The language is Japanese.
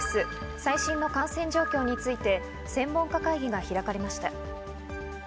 最新の感染状況について専門家会議が開かれました。